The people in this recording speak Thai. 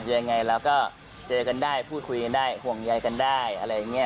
ยังไงเราก็เจอกันได้พูดคุยกันได้ห่วงใยกันได้อะไรอย่างนี้